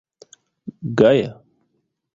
Gaja?